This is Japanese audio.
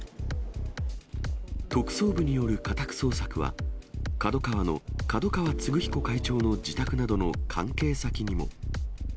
特捜部による家宅捜索は、ＫＡＤＯＫＡＷＡの角川歴彦会長の自宅などの関係先にも。